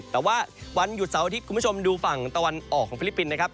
แต่ว่าวันหยุดเสาร์อาทิตย์คุณผู้ชมดูฝั่งตะวันออกของฟิลิปปินส์นะครับ